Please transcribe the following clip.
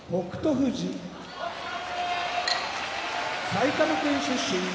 富士埼玉県出身